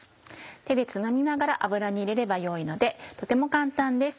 手でつまみながら油に入れればよいのでとても簡単です。